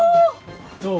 どう？